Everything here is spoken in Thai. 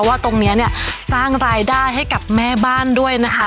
ว่าตรงนี้เนี่ยสร้างรายได้ให้กับแม่บ้านด้วยนะคะ